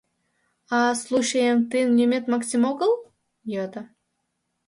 — А-а, случаем, тыйын лӱмет Максим огыл? — йодо.